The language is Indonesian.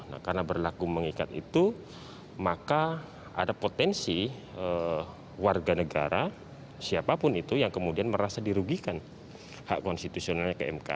nah karena berlaku mengikat itu maka ada potensi warga negara siapapun itu yang kemudian merasa dirugikan hak konstitusionalnya ke mk